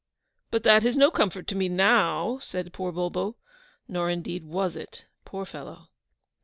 But that is no comfort to me now!' said poor Bulbo; nor indeed was it, poor fellow!